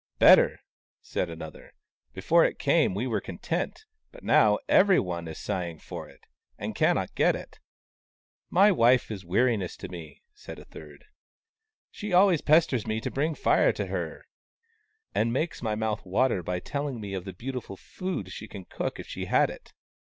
" Better," said another. " Before it came, we were content : but now, every one is sighing for it, and cannot get it." " My wife is a weariness to me," said a third. " Always she pesters me to bring Fire to her, and S.A.B. 49 D 50 WAUNG, THE CROW makes my mouth water by telling me of the beau tiful food she could cook if she had it.